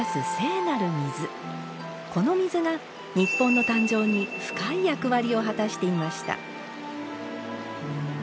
この水が日本の誕生に深い役割を果たしていました。